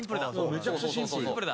めちゃくちゃシンプル。